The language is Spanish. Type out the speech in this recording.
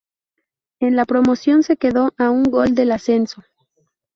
En la promoción se quedó a un gol del ascenso.